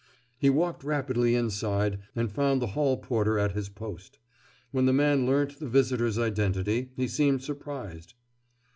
He walked rapidly inside and found the hall porter at his post. When the man learnt the visitor's identity he seemed surprised.